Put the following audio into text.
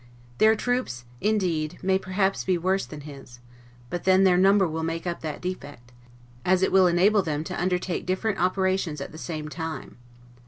Their troops, indeed, may perhaps be worse than his; but then their number will make up that defect, as it will enable them to undertake different operations at the same time.